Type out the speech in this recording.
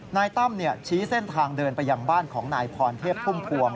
ตั้มชี้เส้นทางเดินไปยังบ้านของนายพรเทพพุ่มพวง